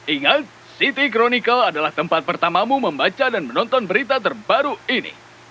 ingat city chronical adalah tempat pertamamu membaca dan menonton berita terbaru ini